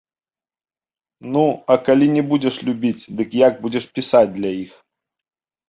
Ну, а калі не будзеш любіць, дык як будзеш пісаць для іх?